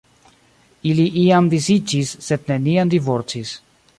Ili iam disiĝis, sed neniam divorcis.